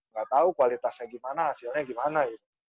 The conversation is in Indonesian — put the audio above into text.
gak tau kualitasnya gimana hasilnya gimana gitu